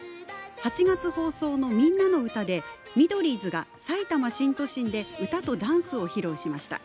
８月放送の「みんなのうた」でミドリーズがさいたま新都心で歌とダンスを披露しました。